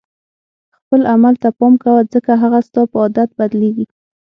خپل عمل ته پام کوه ځکه هغه ستا په عادت بدلیږي.